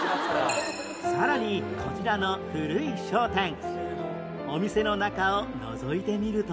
さらにこちらの古い商店お店の中をのぞいてみると